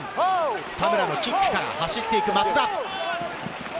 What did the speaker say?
田村のキックから走っていく松田。